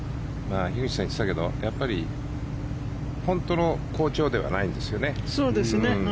樋口さんが言ってたけどやっぱり本当の好調ではないんですよね。